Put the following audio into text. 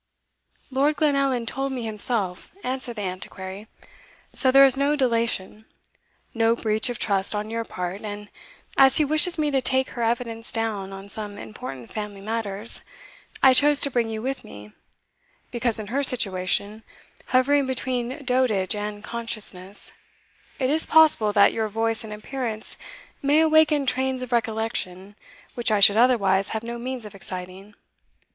"Lord Glenallan told me himself," answered the Antiquary; "so there is no delation no breach of trust on your part; and as he wishes me to take her evidence down on some important family matters, I chose to bring you with me, because in her situation, hovering between dotage and consciousness, it is possible that your voice and appearance may awaken trains of recollection which I should otherwise have no means of exciting.